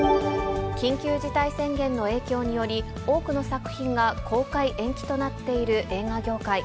緊急事態宣言の影響により、多くの作品が公開延期となっている映画業界。